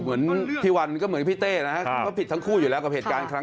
จะต้องมีความผิดจะต้องมีบาปติดตัวไปตลอดชีวิตแน่นอน